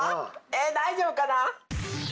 え大丈夫かな？